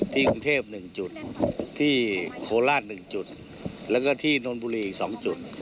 กรุงเทพ๑จุดที่โคราช๑จุดแล้วก็ที่นนบุรีอีก๒จุด